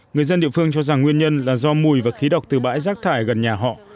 người dân địa phương cho rằng nguyên nhân là do mùi và khí độc từ bãi rác thải gần nhà họ